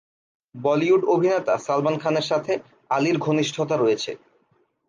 বলিউড অভিনেতা সালমান খানের সাথে আলির ঘনিষ্ঠতা রয়েছে।